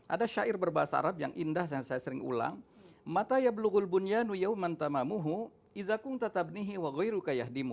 ada syair berbahasa arab yang indah yang saya sering ulang